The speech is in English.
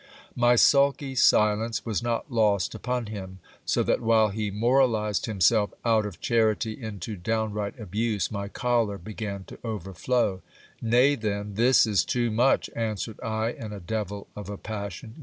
My sulky silence was not lost upon him, so that while he moralized himself out of charity into downright abuse, my choler began to overflow. Nay, then ! this is too much, answered I, in a devil of a passion.